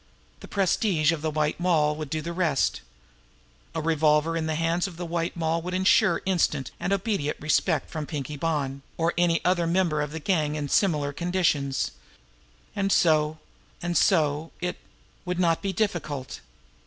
The prestige of the White Moll would do the rest. A revolver in the hands of the White Moll would insure instant and obedient respect from Pinkie Bonn, or any other member of the gang under similar conditions. And so and so it would not be difficult.